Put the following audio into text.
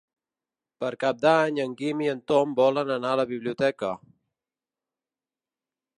Per Cap d'Any en Guim i en Tom volen anar a la biblioteca.